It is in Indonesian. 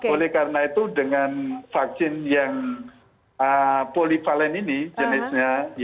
oleh karena itu dengan vaksin yang polivalen ini jenisnya